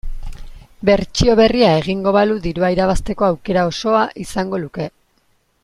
Bertsio berria egingo balu dirua irabazteko aukera osoa izango luke.